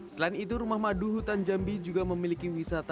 selain itu rumah madu hutan jambi juga memiliki wisata